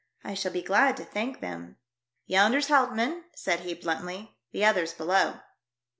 I shall be glad to thank them." "Yonder's Houtmann," said he, bluntly; " the other's below."